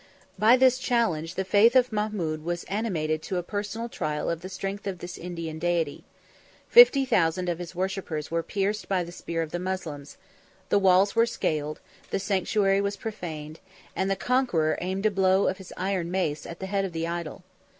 By this challenge, the faith of Mahmud was animated to a personal trial of the strength of this Indian deity. Fifty thousand of his worshippers were pierced by the spear of the Moslems; the walls were scaled; the sanctuary was profaned; and the conqueror aimed a blow of his iron mace at the head of the idol.